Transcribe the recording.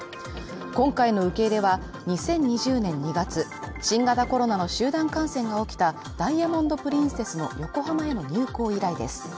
今回の受け入れは、２０２０年２月新型コロナの集団感染が起きた「ダイヤモンド・プリンセス」の横浜への入港以来です。